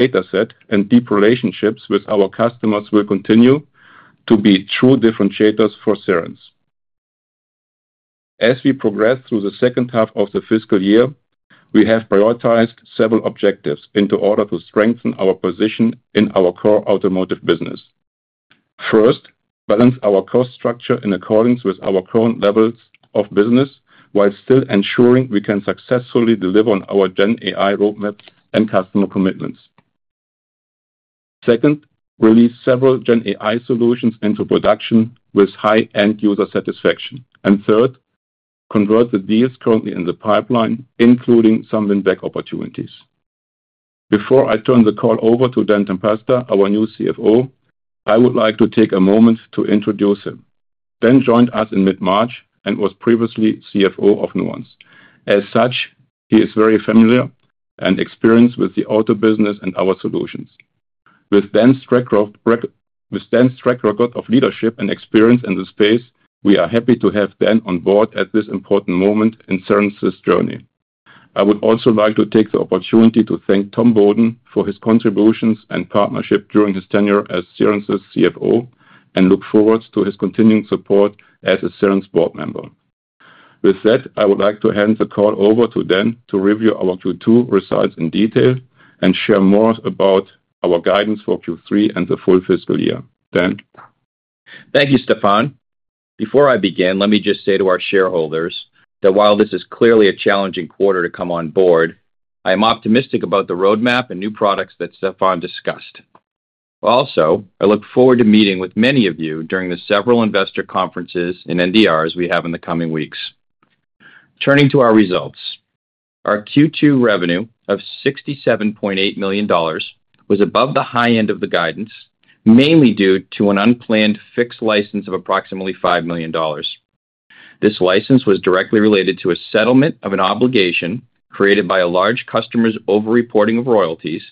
dataset and deep relationships with our customers will continue to be true differentiators for Cerence. As we progress through the second half of the Fiscal Year, we have prioritized several objectives in order to strengthen our position in our core automotive business. First, balance our cost structure in accordance with our current levels of business, while still ensuring we can successfully deliver on our Gen AI roadmap and customer commitments. Second, release several Gen AI solutions into production with high end-user satisfaction. And third, convert the deals currently in the pipeline, including some win-back opportunities. Before I turn the call over to Dan Tempesta, our new CFO, I would like to take a moment to introduce him. Dan joined us in mid-March and was previously CFO of Nuance. As such, he is very familiar and experienced with the auto business and our solutions. With Dan's track record of leadership and experience in this space, we are happy to have Dan on board at this important moment in Cerence's journey. I would also like to take the opportunity to thank Tom Beaudoin for his contributions and partnership during his tenure as Cerence's CFO, and look forward to his continuing support as a Cerence board member. With that, I would like to hand the call over to Dan to review our Q2 results in detail and share more about our guidance for Q3 and the full Fiscal Year. Dan? Thank you, Stefan. Before I begin, let me just say to our shareholders that while this is clearly a challenging quarter to come on board, I am optimistic about the roadmap and new products that Stefan discussed. Also, I look forward to meeting with many of you during the several investor conferences and NDRs we have in the coming weeks. Turning to our results, our Q2 revenue of $67.8 million was above the high end of the guidance, mainly due to an unplanned fixed license of approximately $5 million. This license was directly related to a settlement of an obligation created by a large customer's over-reporting of royalties,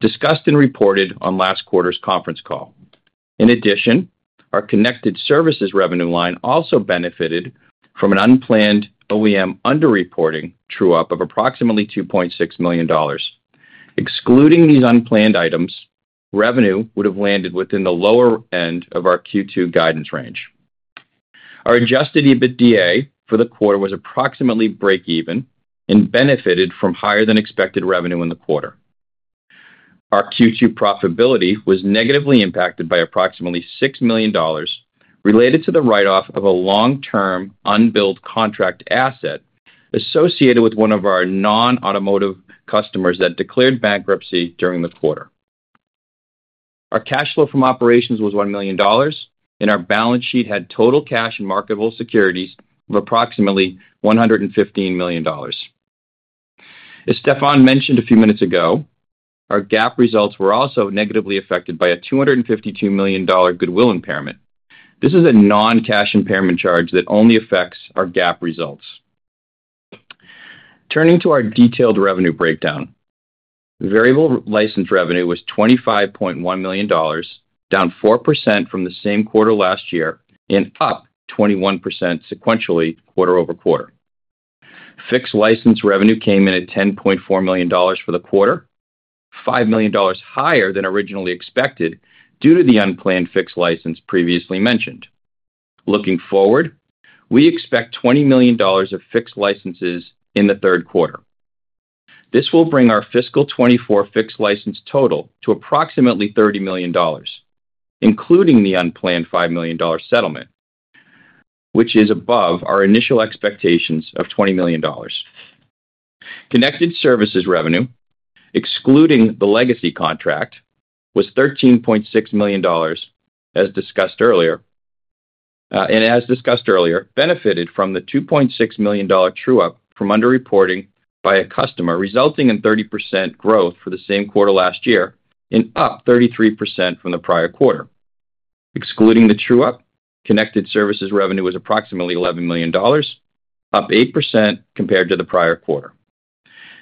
discussed and reported on last quarter's conference call. In addition, our connected services revenue line also benefited from an unplanned OEM underreporting true-up of approximately $2.6 million. Excluding these unplanned items, revenue would have landed within the lower end of our Q2 guidance range. Our Adjusted EBITDA for the quarter was approximately break even and benefited from higher than expected revenue in the quarter. Our Q2 profitability was negatively impacted by approximately $6 million, related to the write-off of a long-term unbilled contract asset associated with one of our non-automotive customers that declared bankruptcy during the quarter. Our cash flow from operations was $1 million, and our balance sheet had total cash and marketable securities of approximately $115 million. As Stefan mentioned a few minutes ago, our GAAP results were also negatively affected by a $252 million goodwill impairment. This is a non-cash impairment charge that only affects our GAAP results. Turning to our detailed revenue breakdown. Variable License revenue was $25.1 million, down 4% from the same quarter last year and up 21% sequentially quarter-over-quarter. Fixed License revenue came in at $10.4 million for the quarter, $5 million higher than originally expected, due to the unplanned Fixed License previously mentioned. Looking forward, we expect $20 million of Fixed Licenses in the third quarter. This will bring our Fiscal 2024 Fixed License total to approximately $30 million, including the unplanned $5 million settlement, which is above our initial expectations of $20 million. Connected Services revenue, excluding the legacy contract, was $13.6 million, as discussed earlier, and as discussed earlier, benefited from the $2.6 million true-up from underreporting by a customer, resulting in 30% growth for the same quarter last year and up 33% from the prior quarter. Excluding the true-up, Connected Services revenue was approximately $11 million, up 8% compared to the prior quarter.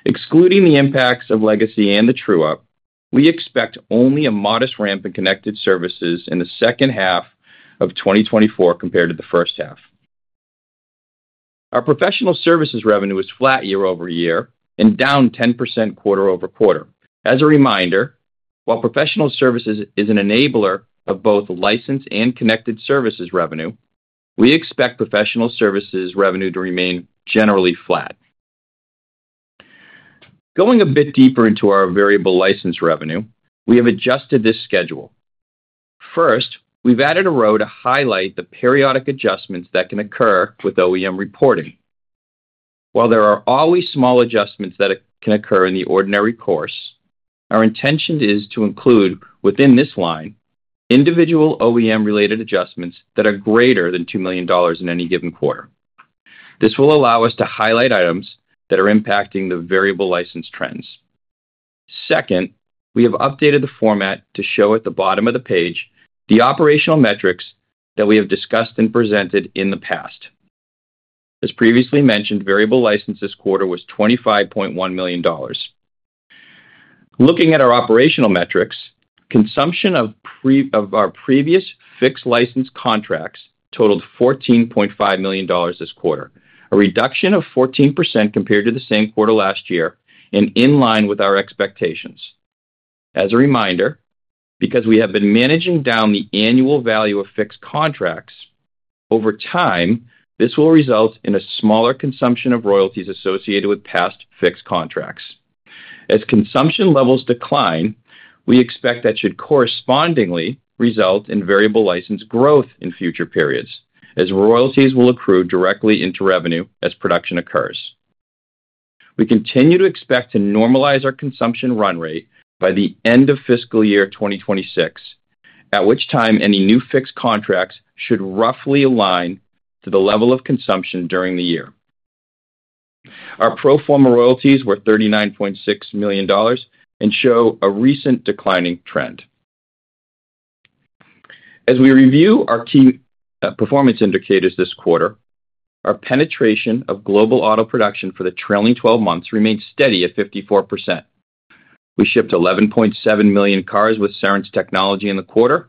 Excluding the impacts of legacy and the true-up, we expect only a modest ramp in Connected Services in the second half of 2024 compared to the first half. Our Professional Services revenue was flat year-over-year and down 10% quarter-over-quarter. As a reminder, while Professional Services is an enabler of both license and Connected Services revenue, we expect Professional Services revenue to remain generally flat. Going a bit deeper into our Variable License revenue, we have adjusted this schedule. First, we've added a row to highlight the periodic adjustments that can occur with OEM reporting. While there are always small adjustments that can occur in the ordinary course, our intention is to include, within this line, individual OEM-related adjustments that are greater than $2 million in any given quarter. This will allow us to highlight items that are impacting the Variable License trends. Second, we have updated the format to show at the bottom of the page the operational metrics that we have discussed and presented in the past. As previously mentioned, Variable License this quarter was $25.1 million. Looking at our operational metrics-... Consumption of our previous fixed license contracts totaled $14.5 million this quarter, a reduction of 14% compared to the same quarter last year, and in line with our expectations. As a reminder, because we have been managing down the annual value of fixed contracts, over time, this will result in a smaller consumption of royalties associated with past fixed contracts. As consumption levels decline, we expect that should correspondingly result in variable license growth in future periods, as royalties will accrue directly into revenue as production occurs. We continue to expect to normalize our consumption run rate by the end of Fiscal Year 2026, at which time any new fixed contracts should roughly align to the level of consumption during the year. Our pro forma royalties were $39.6 million and show a recent declining trend. As we review our key performance indicators this quarter, our penetration of global auto production for the trailing twelve months remains steady at 54%. We shipped 11.7 million cars with Cerence technology in the quarter,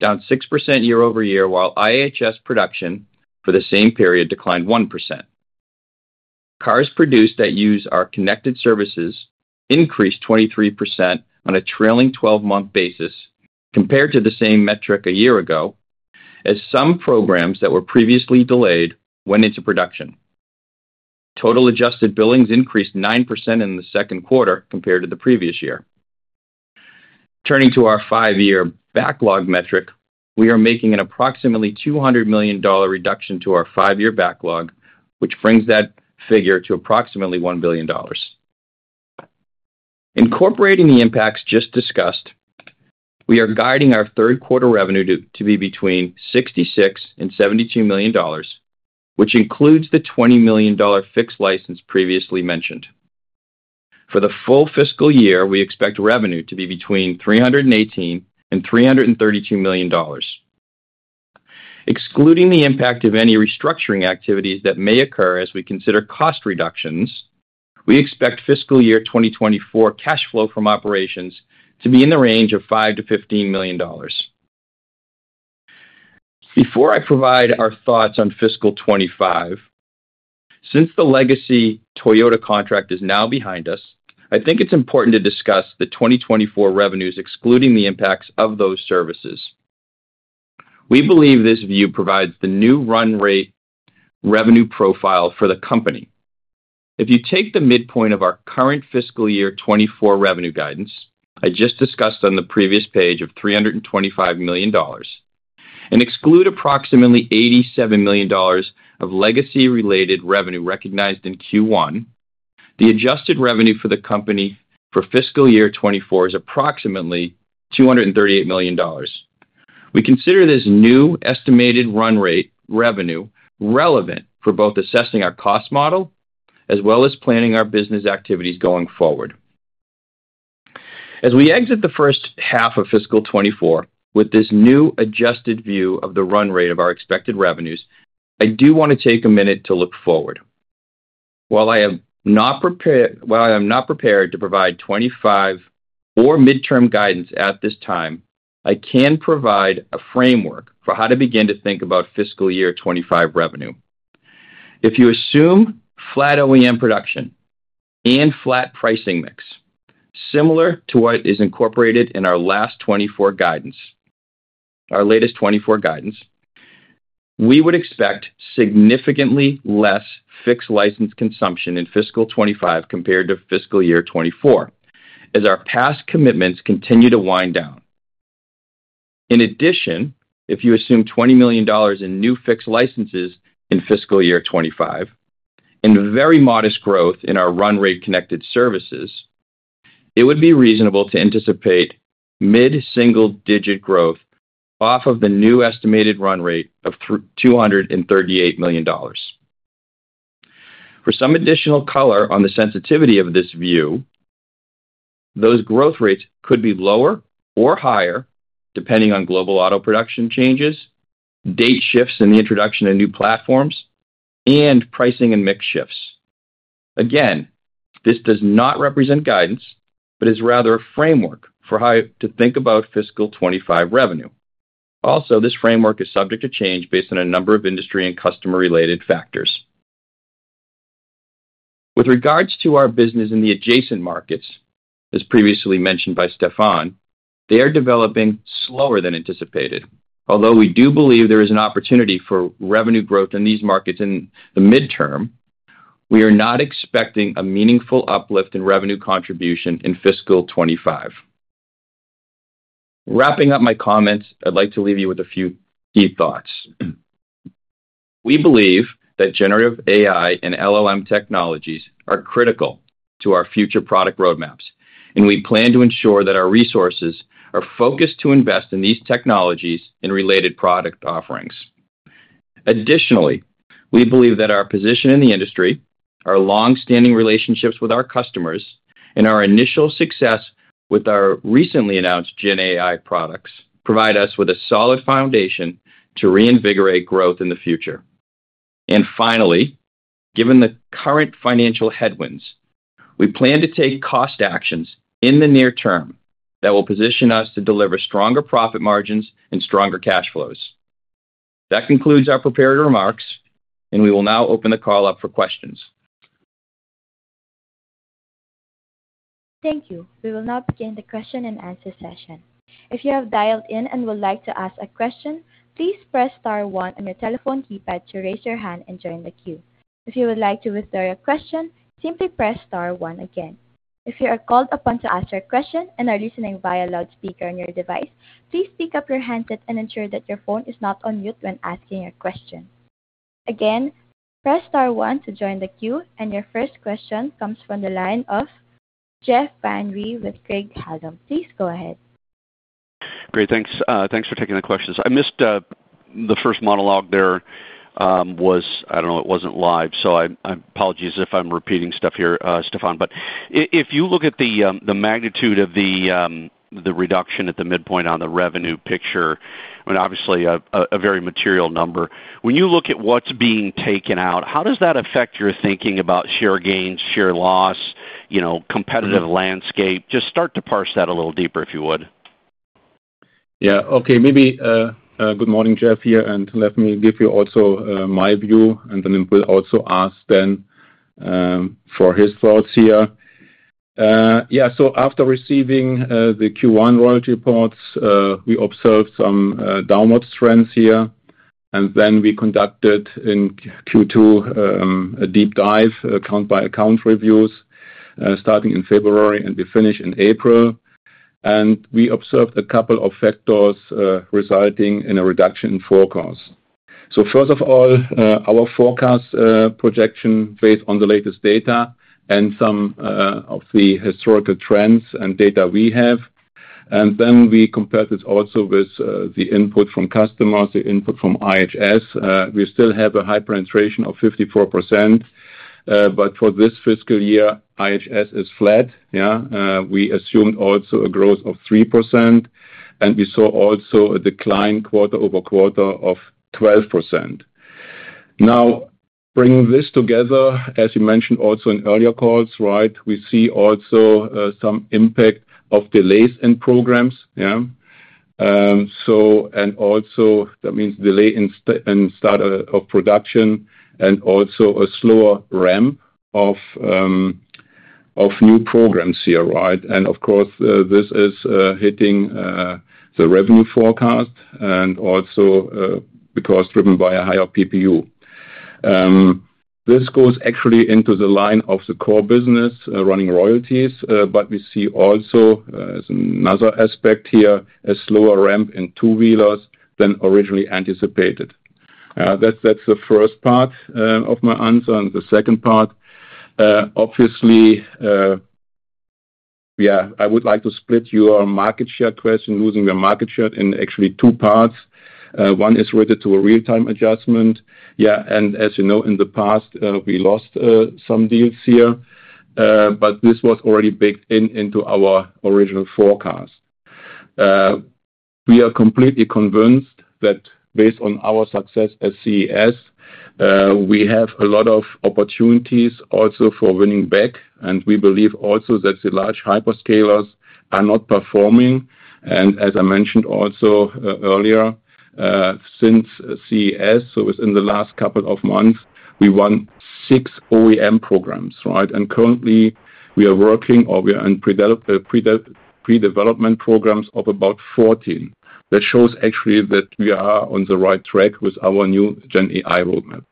down 6% year-over-year, while IHS production for the same period declined 1%. Cars produced that use our connected services increased 23% on a trailing twelve-month basis compared to the same metric a year ago, as some programs that were previously delayed went into production. Total adjusted billings increased 9% in the second quarter compared to the previous year. Turning to our five-year backlog metric, we are making an approximately $200 million reduction to our five-year backlog, which brings that figure to approximately $1 billion. Incorporating the impacts just discussed, we are guiding our third quarter revenue to be between $66 million and $72 million, which includes the $20 million fixed license previously mentioned. For the full Fiscal year, we expect revenue to be between $318 million and $332 million. Excluding the impact of any restructuring activities that may occur as we consider cost reductions, we expect Fiscal Year 2024 cash flow from operations to be in the range of $5 million to $15 million. Before I provide our thoughts on Fiscal 2025, since the legacy Toyota contract is now behind us, I think it's important to discuss the 2024 revenues, excluding the impacts of those services. We believe this view provides the new run rate revenue profile for the company. If you take the midpoint of our current Fiscal Year 2024 revenue guidance I just discussed on the previous page of $325 million, and exclude approximately $87 million of legacy-related revenue recognized in Q1, the adjusted revenue for the company for Fiscal Year 2024 is approximately $238 million. We consider this new estimated run rate revenue relevant for both assessing our cost model as well as planning our business activities going forward. As we exit the first half of Fiscal 2024 with this new adjusted view of the run rate of our expected revenues, I do want to take a minute to look forward. While I am not prepared, while I am not prepared to provide 2025 or midterm guidance at this time, I can provide a framework for how to begin to think about Fiscal Year 2025 revenue. If you assume flat OEM production and flat pricing mix, similar to what is incorporated in our last 2024 guidance, our latest 2024 guidance, we would expect significantly less fixed license consumption in Fiscal 2025 compared to Fiscal Year 2024, as our past commitments continue to wind down. In addition, if you assume $20 million in new fixed licenses in Fiscal Year 2025 and very modest growth in our run rate connected services, it would be reasonable to anticipate mid-single digit growth off of the new estimated run rate of $238 million. For some additional color on the sensitivity of this view, those growth rates could be lower or higher, depending on global auto production changes, date shifts in the introduction of new platforms, and pricing and mix shifts. Again, this does not represent guidance, but is rather a framework for how to think about Fiscal 2025 revenue. Also, this framework is subject to change based on a number of industry and customer-related factors. With regards to our business in the adjacent markets, as previously mentioned by Stefan, they are developing slower than anticipated. Although we do believe there is an opportunity for revenue growth in these markets in the midterm, we are not expecting a meaningful uplift in revenue contribution in Fiscal 2025. Wrapping up my comments, I'd like to leave you with a few key thoughts. We believe that generative AI and LLM technologies are critical to our future product roadmaps, and we plan to ensure that our resources are focused to invest in these technologies and related product offerings. Additionally, we believe that our position in the industry, our long-standing relationships with our customers, and our initial success with our recently announced GenAI products provide us with a solid foundation to reinvigorate growth in the future. And finally, given the current financial headwinds, we plan to take cost actions in the near term that will position us to deliver stronger profit margins and stronger cash flows. That concludes our prepared remarks, and we will now open the call up for questions. Thank you. We will now begin the question and answer session. If you have dialed in and would like to ask a question, please press star one on your telephone keypad to raise your hand and join the queue. If you would like to withdraw your question, simply press star one again. If you are called upon to ask your question and are listening via loudspeaker on your device, please pick up your handset and ensure that your phone is not on mute when asking your question. Again, press star one to join the queue, and your first question comes from the line of Jeff Van Rhee with Craig-Hallum. Please go ahead. Great, thanks. Thanks for taking the questions. I missed the first monologue there. I don't know, it wasn't live, so I apologize if I'm repeating stuff here, Stefan. But if you look at the magnitude of the reduction at the midpoint on the revenue picture, I mean, obviously a very material number. When you look at what's being taken out, how does that affect your thinking about share gains, share loss, you know, competitive landscape? Just start to parse that a little deeper, if you would. Yeah. Okay, maybe good morning, Jeff here, and let me give you also my view, and then we'll also ask Dan for his thoughts here. Yeah, so after receiving the Q1 royalty reports, we observed some downward trends here, and then we conducted in Q2 a deep dive account by account reviews, starting in February, and we finish in April. And we observed a couple of factors resulting in a reduction in forecast. So first of all, our forecast projection based on the latest data and some of the historical trends and data we have, and then we compared it also with the input from customers, the input from IHS. We still have a high penetration of 54%, but for this fiscal year, IHS is flat. Yeah. We assumed also a growth of 3%, and we saw also a decline quarter-over-quarter of 12%. Now, bringing this together, as you mentioned also in earlier calls, right, we see also some impact of delays in programs. Yeah, so, and also that means delay in start of production and also a slower ramp of new programs here, right? And of course, this is hitting the revenue forecast and also, because driven by a higher PPU. This goes actually into the line of the core business, running royalties, but we see also, as another aspect here, a slower ramp in two-wheelers than originally anticipated. That's the first part of my answer. The second part, obviously, I would like to split your market share question, losing your market share in actually two parts. One is related to a real-time adjustment. And as you know, in the past, we lost some deals here, but this was already baked into our original forecast. We are completely convinced that based on our success at CES, we have a lot of opportunities also for winning back, and we believe also that the large hyperscalers are not performing. And as I mentioned also, earlier, since CES, so it's in the last couple of months, we won six OEM programs, right? And currently, we are working or we are in pre-development programs of about 14. That shows actually that we are on the right track with our new GenAI roadmap.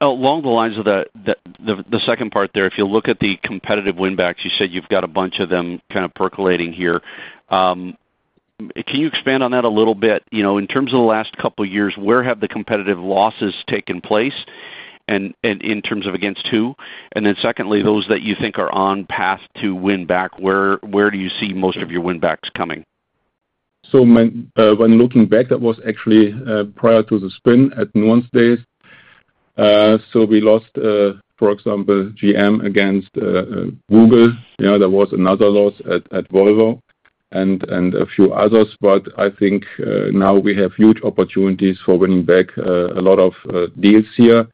Along the lines of the second part there, if you look at the competitive win backs, you said you've got a bunch of them kind of percolating here. Can you expand on that a little bit? You know, in terms of the last couple of years, where have the competitive losses taken place, and in terms of against who? And then secondly, those that you think are on path to win back, where do you see most of your win backs coming? So when, when looking back, that was actually, prior to the spin at Nuance days. So we lost, for example, GM against, Google. You know, there was another loss at, at Volvo and, and a few others, but I think, now we have huge opportunities for winning back, a lot of, deals here.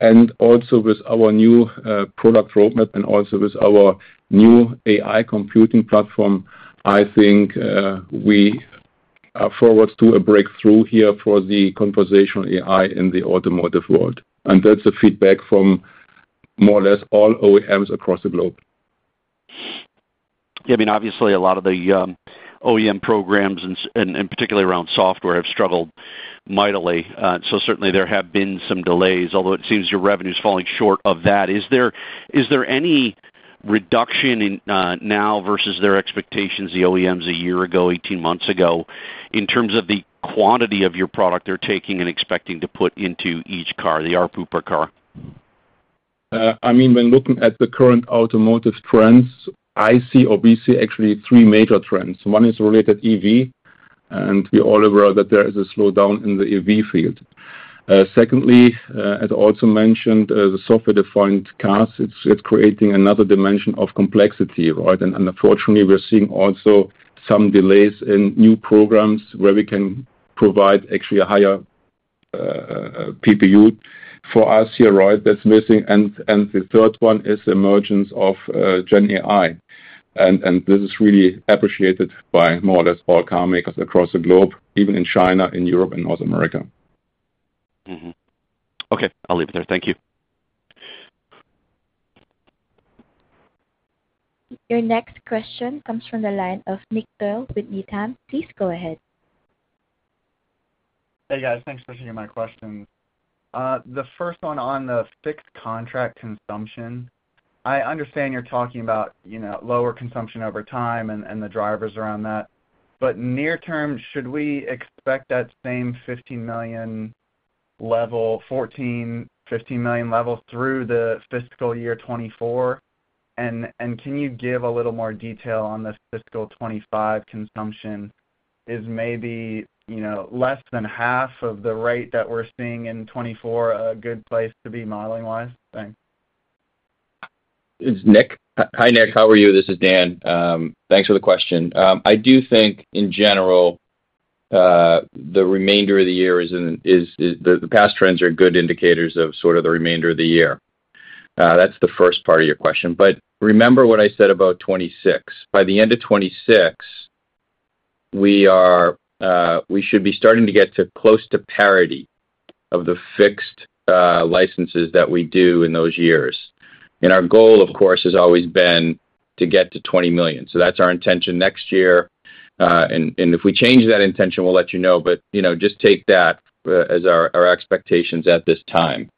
And also with our new, product roadmap and also with our new AI computing platform, I think, we are forwards to a breakthrough here for the conversational AI in the automotive world, and that's the feedback from more or less all OEMs across the globe. I mean, obviously a lot of the OEM programs and particularly around software, have struggled mightily. So certainly there have been some delays, although it seems your revenue is falling short of that. Is there any reduction in now versus their expectations, the OEMs, a year ago, 18 months ago, in terms of the quantity of your product they're taking and expecting to put into each car, the RPU per car? I mean, when looking at the current automotive trends, I see or we see actually three major trends. One is related EV, and we're all aware that there is a slowdown in the EV field. Secondly, as also mentioned, the software-defined cars, it's creating another dimension of complexity, right? And, unfortunately, we're seeing also some delays in new programs where we can provide actually a higher PPU for us here, right, that's missing. And the third one is the emergence of GenAI. And this is really appreciated by more or less all car makers across the globe, even in China, in Europe, and North America. Mm-hmm. Okay, I'll leave it there. Thank you. Your next question comes from the line of Nick Doyle with Needham & Company. Please go ahead. Hey, guys. Thanks for taking my question. The first one on the fixed contract consumption, I understand you're talking about, you know, lower consumption over time and the drivers around that. But near term, should we expect that same $50 million level through the Fiscal Year 2024? And can you give a little more detail on the Fiscal 2025 consumption? Is maybe, you know, less than half of the rate that we're seeing in 2024, a good place to be modeling-wise? Thanks. It's Nick. Hi, Nick. How are you? This is Dan. Thanks for the question. I do think, in general, the remainder of the year is - the past trends are good indicators of sort of the remainder of the year. That's the first part of your question. But remember what I said about 2026. By the end of 2026, we are, we should be starting to get to close to parity of the fixed licenses that we do in those years. And our goal, of course, has always been to get to $20 million. So that's our intention next year, and if we change that intention, we'll let you know, but you know, just take that as our expectations at this time.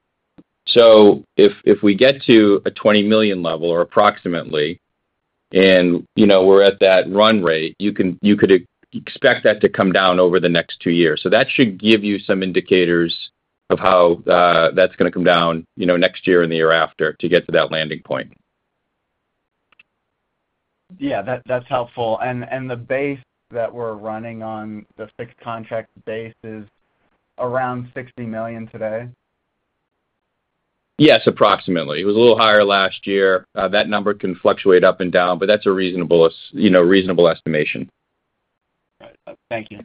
So if we get to a $20 million level or approximately, and, you know, we're at that run rate, you could expect that to come down over the next two years. So that should give you some indicators of how that's gonna come down, you know, next year and the year after, to get to that landing point. Yeah, that, that's helpful. And, and the base that we're running on, the fixed contract base, is around $60 million today? Yes, approximately. It was a little higher last year. That number can fluctuate up and down, but that's a reasonable you know, reasonable estimation. Got it. Thank you.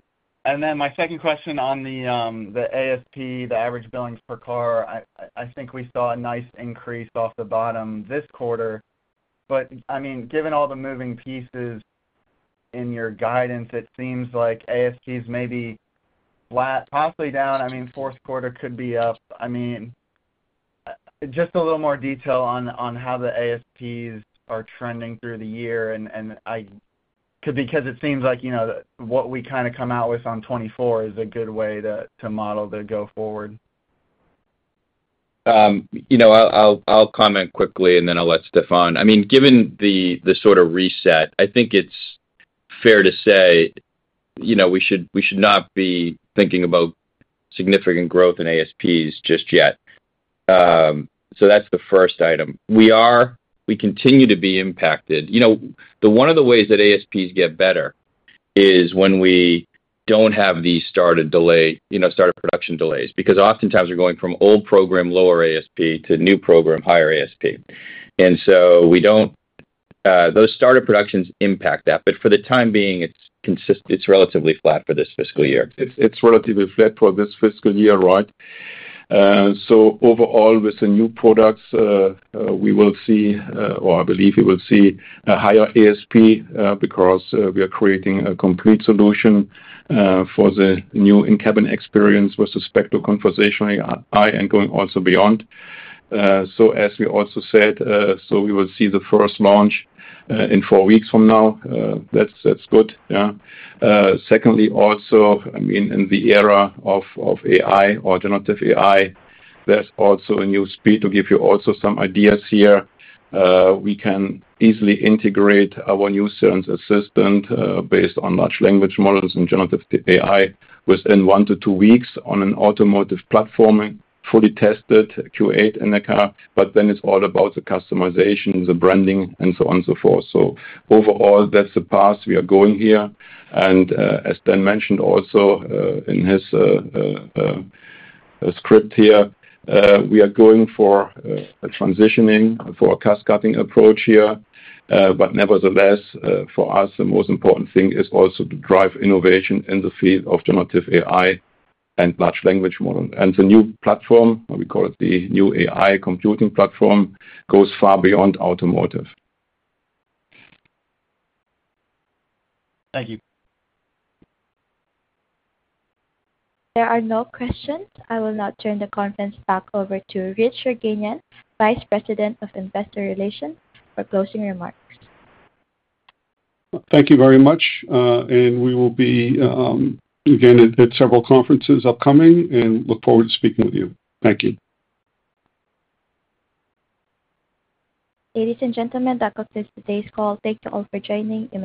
And then my second question on the ASP, the average billings per car. I think we saw a nice increase off the bottom this quarter, but, I mean, given all the moving pieces in your guidance, it seems like ASPs may be flat, possibly down. I mean, fourth quarter could be up. I mean, just a little more detail on how the ASPs are trending through the year, and because it seems like, you know, what we kinda come out with on 2024 is a good way to model the go forward. You know, I'll comment quickly, and then I'll let Stefan. I mean, given the sort of reset, I think it's fair to say, you know, we should not be thinking about significant growth in ASPs just yet. So that's the first item. We continue to be impacted. You know, one of the ways that ASPs get better is when we don't have these start of production delays, because oftentimes we're going from old program, lower ASP, to new program, higher ASP. And so we don't, those start of production impact that, but for the time being, it's relatively flat for this fiscal year. It's relatively flat for this fiscal year, right. So overall, with the new products, we will see, or I believe you will see a higher ASP, because we are creating a complete solution for the new in-cabin experience with respect to conversational AI and going also beyond. So as we also said, so we will see the first launch in four weeks from now. That's good. Yeah. Secondly, also, I mean, in the era of AI, alternative AI, there's also a new speed to give you also some ideas here. We can easily integrate our new Cerence Assistant, based on large language models and generative AI, within 1-2 weeks on an automotive platform, fully tested, QA'd in the car, but then it's all about the customization, the branding, and so on and so forth. So overall, that's the path we are going here. As Dan mentioned also, in his script here, we are going for a transitioning, for a cost-cutting approach here. But nevertheless, for us, the most important thing is also to drive innovation in the field of generative AI and large language model. The new platform, we call it the new AI computing platform, goes far beyond automotive. Thank you. There are no questions. I will now turn the conference back over to Richard Yerganian, Vice President of Investor Relations, for closing remarks. Thank you very much, and we will be, again, at several conferences upcoming and look forward to speaking with you. Thank you. Ladies and gentlemen, that concludes today's call. Thank you all for joining and we-